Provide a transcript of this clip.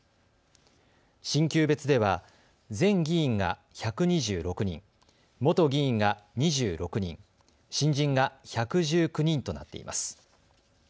新旧別では前議員が１２６人、元議員が２６人、新人が１１９人となっています。